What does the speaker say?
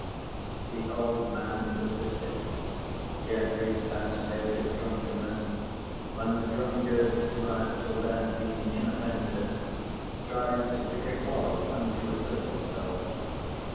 The old man persisted. He had reached that state of drunkenness when the drunkard who has till then been inoffensive tries to pick a quarrel and to assert himself.